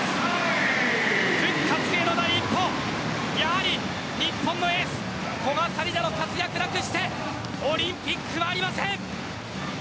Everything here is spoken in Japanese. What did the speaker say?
復活への第一歩やはり日本のエース古賀紗理那の活躍なくしてオリンピックはありません。